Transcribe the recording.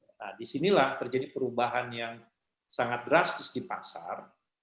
nah disinilah terjadi perubahan yang sangat drastis di pasar